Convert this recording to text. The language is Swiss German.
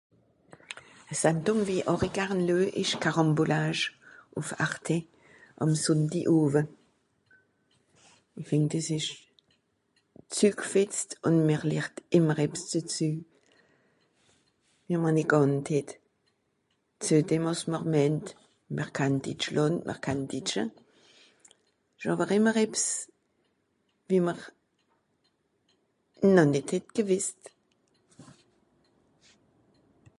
a Sandung wie esch horig garn luej esch Karambolage ùff ARTE um Sùndi oowe esch fìnd des esch zü g'wetzt un mer lernt ìmmer ebs dezü wie mr net kànnt hett zudem ass mr meint mer kann Ditschland mer kann ditsche j'awer ìmmer ebs wie m'r nô nìt het gewìsst